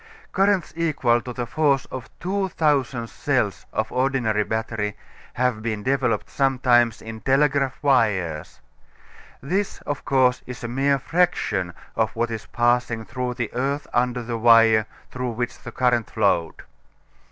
Currents equal to the force of 2,000 cells of ordinary battery have been developed sometimes in telegraph wires. This of course is a mere fraction of what is passing through the earth under the wire through which the current flowed.